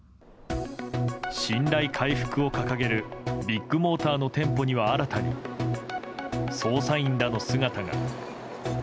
信頼回復を掲げるビッグモーターの店舗には新たに、捜査員らの姿が。